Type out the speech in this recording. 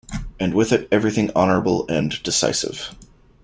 And with it, everything honourable and decisive.